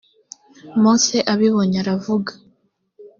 mose abibonye aravuga.